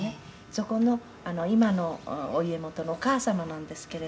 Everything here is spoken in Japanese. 「そこの今のお家元のお母様なんですけれども」